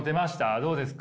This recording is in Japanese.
どうですか？